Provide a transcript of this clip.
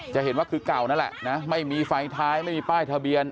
จะเห็นว่าคือเก่านั่นแหละนะไม่มีไฟท้ายไม่มีป้ายทะเบียน